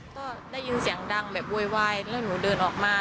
ก็ได้ยินเสียงดังแบบโวยวายแล้วหนูเดินออกมา